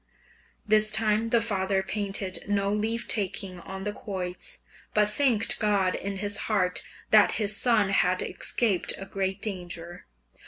This time the father painted no leave taking on the quoits, but thanked God in his heart that his son had escaped a great danger.